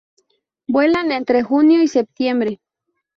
Vuelan en entre junio y septiembre.